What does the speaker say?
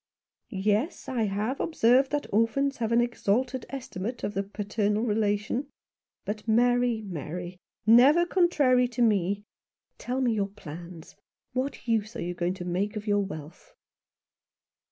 "Yes, I have observed that orphans have an exalted estimate of the paternal relation. But, Mary, Mary — never contrary to me — tell me your plans. What use are you going to make of your wealth